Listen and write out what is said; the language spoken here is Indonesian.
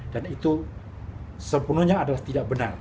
dan itu sepenuhnya adalah tidak benar